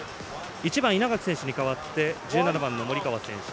１番、稲垣選手に代わり１７番、森川選手